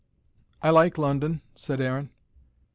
"I like London," said Aaron.